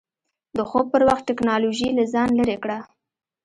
د خوب پر وخت ټېکنالوژي له ځان لرې کړه.